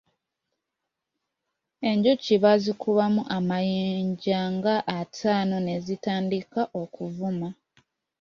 Enjuki baazikubamu amayinja nga ataano ne zitandika okuvuuma.